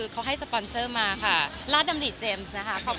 ก็ยังไม่อยากตอบอะไรอีกเหมือนกันครับ